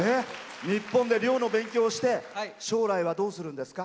日本で漁の勉強をして将来はどうするんですか？